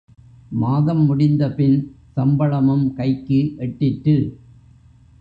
மாதம் முடிந்தபின், சம்பளமும் கைக்கு எட்டிற்று.